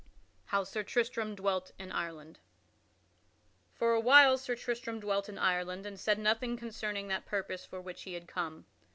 [Sidenote: How Sir Tristram dwelt in Ireland] For a while Sir Tristram dwelt in Ireland and said nothing concerning that purpose for which he had come.